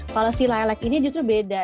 kalau si lilac ini justru beda